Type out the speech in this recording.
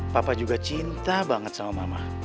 papa juga cinta banget sama mama